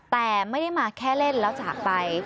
แต่ไม่ได้มาแค่เล่นแล้วจากไป